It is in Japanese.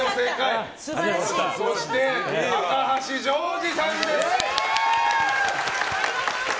そして高橋ジョージさんです！